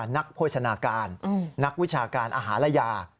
นักโภชนาการนักวิชาการอาหารและยา